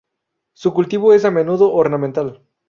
Su cultivo es a menudo ornamental.